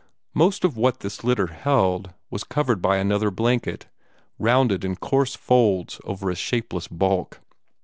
Most of what this litter held was covered by another blanket, rounded in coarse folds over a shapeless bulk.